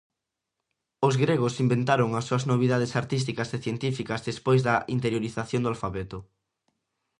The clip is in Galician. Os gregos inventaron as súas novidades artísticas e científicas despois da interiorización do alfabeto.